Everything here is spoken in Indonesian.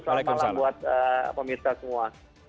selamat malam buat pemirsa semua